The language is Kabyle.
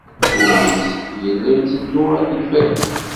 Ullis yella iteddu ad ifakk.